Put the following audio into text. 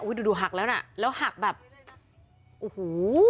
ดูหักแล้วน่ะแล้วหักแบบโอ้โห